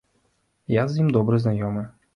Я з ім добра знаёмы.